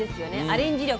アレンジ力。